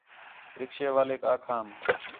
رکشے والیک آکھام